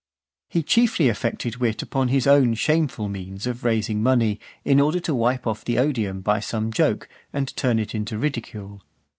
He chiefly affected wit upon his own shameful means of raising money, in order to wipe off the odium by some joke, and turn it into ridicule.